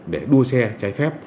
để đua xe trái phép